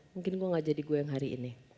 mungkin gue gak jadi gue yang hari ini